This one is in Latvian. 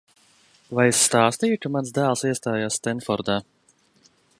Vai es stāstīju, ka mans dēls iestājās Stenfordā?